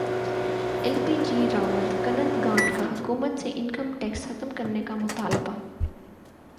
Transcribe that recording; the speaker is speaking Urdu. ایل پی جی درامد کنندگان کا حکومت سے انکم ٹیکس ختم کرنے کا مطالبہ